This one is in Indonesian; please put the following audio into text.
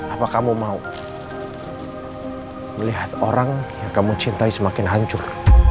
apa kamu mau melihat orang yang kamu cintai semakin hancur